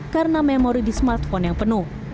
karena memori di smartphone yang penuh